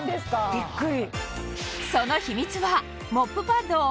ビックリ。